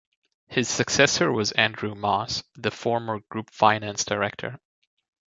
His successor was Andrew Moss, the former group finance director.